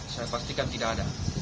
saya pastikan tidak ada